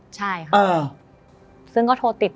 ใช่ค่ะซึ่งก็โทรติด